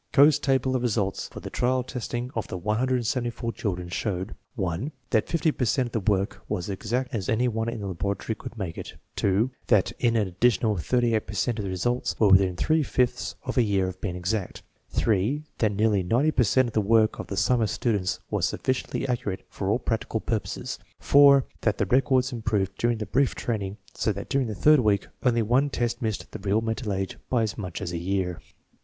Kohs's table of results for the trial testing of the 174 children showed: (1) That 50 per cent of the work was as exact as any one in the laboratory could make it; (2) That in an additional 38 per cent the results were within three fifths of a year of being exact; (3) That nearly 90 per cent of the work of the summer students was sufficiently accurate for all practical purposes; (4) That the records improved during the brief training so that during the third week only one test missed the real mental age by as much as a year.